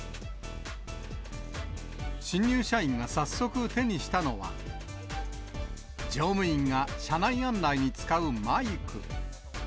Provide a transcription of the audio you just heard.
新入社員が早速手にしたのは、乗務員が車内案内に使うマイク。